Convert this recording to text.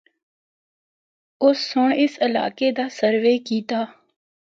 اُس سنڑ اس علاقے دا سروے کیتا۔